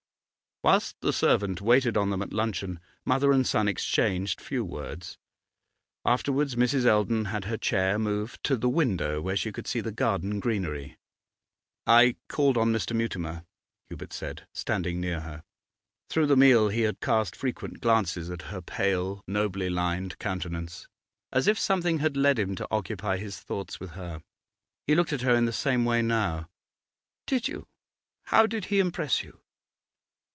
Whilst the servant waited on them at luncheon, mother and son exchanged few words. Afterwards, Mrs. Eldon had her chair moved to the window, where she could see the garden greenery. 'I called on Mr. Mutimer,' Hubert said, standing near her. Through the meal he had cast frequent glances at her pale, nobly lined countenance, as if something had led him to occupy his thoughts with her. He looked at her in the same way now. 'Did you? How did he impress you?